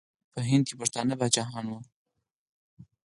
په هند کې پښتانه پاچاهان وو.